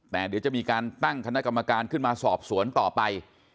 แต่เดี๋ยวจะมีการตั้งคณะกรรมการขึ้นมาสอบสวนต่อไป